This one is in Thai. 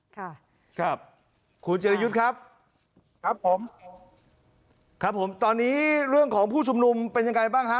ครับคุณจิรยุทธ์ครับครับผมครับผมตอนนี้เรื่องของผู้ชุมนุมเป็นยังไงบ้างฮะ